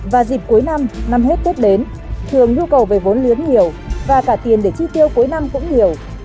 và dịp cuối năm năm hết tết đến thường nhu cầu về vốn liếng nhiều và cả tiền để chi tiêu cuối năm cũng nhiều